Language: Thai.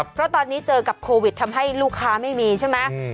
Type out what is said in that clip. เพราะตอนนี้เจอกับโควิดทำให้ลูกค้าไม่มีใช่ไหม